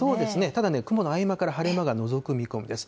ただね、雲の合間から晴れ間がのぞく見込みです。